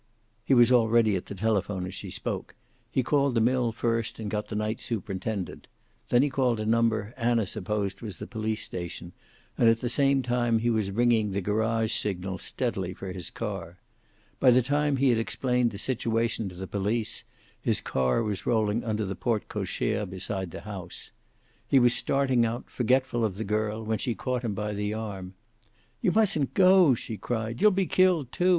He was already at the telephone as she spoke. He called the mill first, and got the night superintendent. Then he called a number Anna supposed was the police station, and at the same time he was ringing the garage signal steadily for his car. By the time he had explained the situation to the police, his car was rolling under the porte cochere beside the house. He was starting out, forgetful of the girl, when she caught him by the arm. "You mustn't go!" she cried. "You'll be killed, too.